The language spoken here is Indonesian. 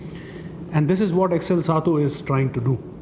dan ini adalah yang xl satu inginkan untuk lakukan